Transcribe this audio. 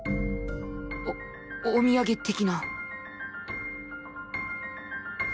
おお土産的な。